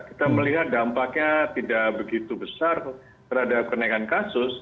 kita melihat dampaknya tidak begitu besar terhadap kenaikan kasus